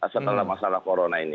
setelah masalah corona ini